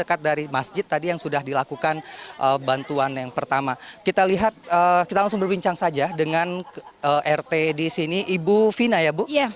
kita lihat kita langsung berbincang saja dengan rt di sini ibu vina ya bu